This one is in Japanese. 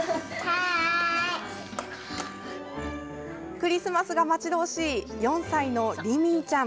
クリスマスが待ち遠しい４歳の、りみいちゃん。